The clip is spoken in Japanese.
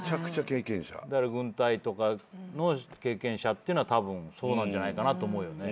だから軍隊とかの経験者っていうのはたぶんそうなんじゃないかなと思うよね。